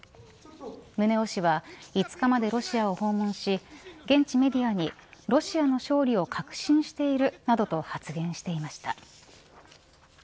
宗男氏は５日までロシアを訪問し現地メディアにロシアの勝利を確信しているなどと発言していました。